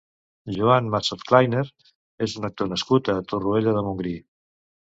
Joan Massotkleiner és un actor nascut a Torroella de Montgrí.